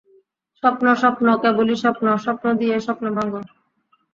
স্বপ্ন, স্বপ্ন, কেবলই স্বপ্ন! স্বপ্ন দিয়েই স্বপ্ন ভাঙ।